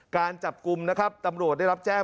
การจับกลุ่มนะครับตำรวจได้รับแจ้ง